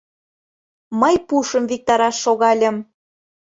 Мый пушым виктараш шогальым